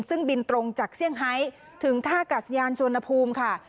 ซึ่งบินตรงจากเซี่ยงไฮถึงท่ากาศยานชวนภูมิค่ะ